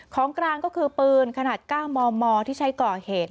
ของกลางก็คือปืนขนาด๙มมที่ใช้ก่อเหตุ